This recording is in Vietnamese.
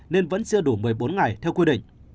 nên vẫn chưa đủ một mươi bốn ngày theo quy định